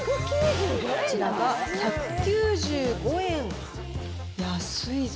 こちらが１９５円、安いぞ。